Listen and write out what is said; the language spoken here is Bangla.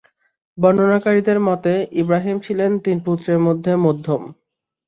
বর্ণনাকারীদের মতে, ইবরাহীম ছিলেন তিন পুত্রের মধ্যে মধ্যম।